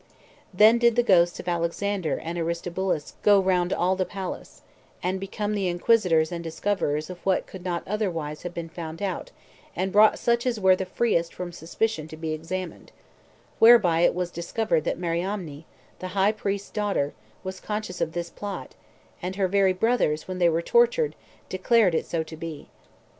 Then did the ghosts of Alexander and Aristobulus go round all the palace, and became the inquisitors and discoverers of what could not otherwise have been found out and brought such as were the freest from suspicion to be examined; whereby it was discovered that Mariamne, the high priest's daughter, was conscious of this plot; and her very brothers, when they were tortured, declared it so to be.